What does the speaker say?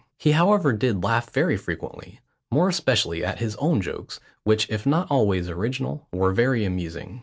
He however did laugh very frequently, more especially at his own jokes, which, if not always original, were very amusing.